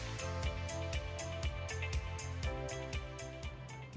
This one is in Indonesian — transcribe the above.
apa yang harus kita lakukan untuk memiliki keuntungan di dalam bisnis